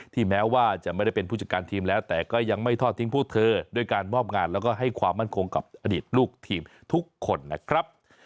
แม้ว่าจะไม่ได้เป็นผู้จัดการทีมแล้วแต่ก็ยังไม่ทอดทิ้งพวกเธอด้วยการมอบงานแล้วก็ให้ความมั่นคงกับอดีตลูกทีมทุกคนนะครับ